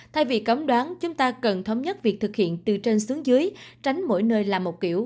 thay vì cấm đoán chúng ta cần thống nhất việc thực hiện từ trên xuống dưới tránh mỗi nơi làm một kiểu